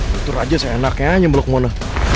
putur aja seenaknya aja blok mona